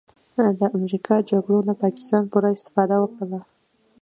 د امریکا جګړو نه پاکستان پوره استفاده وکړله